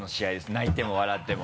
泣いても笑っても。